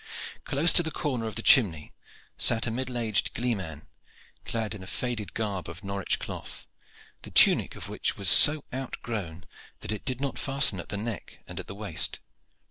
Close to the corner of the chimney sat a middle aged gleeman, clad in a faded garb of Norwich cloth, the tunic of which was so outgrown that it did not fasten at the neck and at the waist.